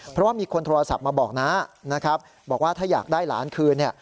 เพราะว่ามีคนโทรศัพท์มาบอกน้านะครับบอกว่าถ้าอยากได้หลานคืนเนี่ย